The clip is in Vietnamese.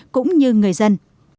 cũng như người dân